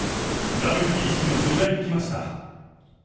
ＷＢＣの取材に来ました。